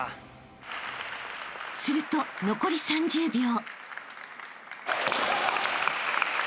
［すると残り３０秒］